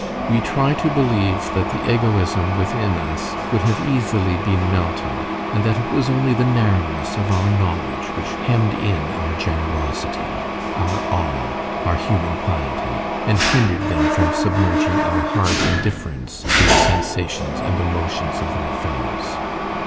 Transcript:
We try to believe that the egoism within us would have easily been melted, and that it was only the narrowness of our knowledge which hemmed in our generosity, our awe, our human piety, and hindered them from submerging our hard indifference to the sensations and emotions of our fellows.